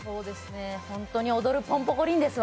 本当におどるポンポコリンですわ。